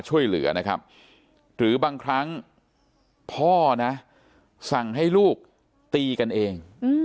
ช่วยเหลือนะครับหรือบางครั้งพ่อนะสั่งให้ลูกตีกันเอง